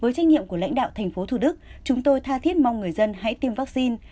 với trách nhiệm của lãnh đạo thành phố thủ đức chúng tôi tha thiết mong người dân hãy tiêm vaccine